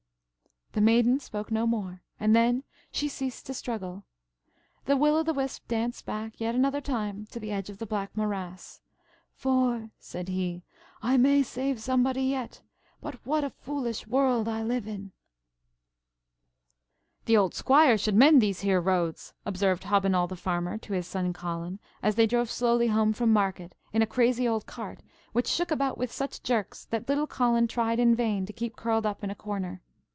The Maiden spoke no more, and then she ceased to struggle. The Will o' the Wisp danced back yet another time to the edge of the black morass; "for," said he, "I may save somebody yet. But what a foolish world I live in!" "The old Squire should mend these here roads," observed Hobbinoll the Farmer to his son Colin, as they drove slowly home from market in a crazy old cart which shook about with such jerks, that little Colin tried in vain to keep curled up in a corner.